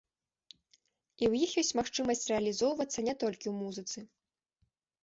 І ў іх ёсць магчымасць рэалізоўвацца не толькі ў музыцы.